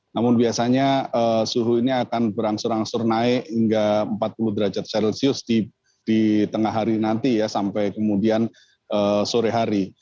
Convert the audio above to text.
namun biasanya suhu ini akan berangsur angsur naik hingga empat puluh derajat celcius di tengah hari nanti ya sampai kemudian sore hari